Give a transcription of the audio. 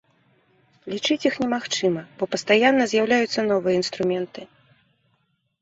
Лічыць іх немагчыма, бо пастаянна з'яўляюцца новыя інструменты.